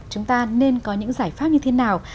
chúng ta nên có những giải pháp như thế nào